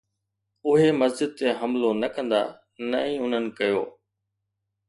اهي مسجد تي حملو نه ڪندا، نه ئي انهن ڪيو